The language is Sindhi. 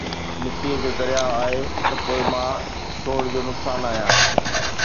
مئي جو درياءُ آهي ته پوءِ مان ڇوڙ جو نقصان آهيان